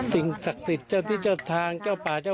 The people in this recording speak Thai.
สิ่งศักดิ์สิทธิ์เจ้าแม่นางนอน